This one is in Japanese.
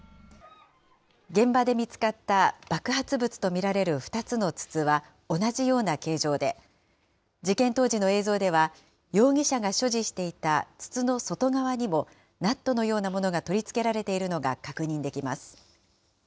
現場で見つかった爆発物と見られる２つの筒は同じような形状で、事件当時の映像では、容疑者が所持していた筒の外側にもナットのようなものが取り付けられているのが確認できます。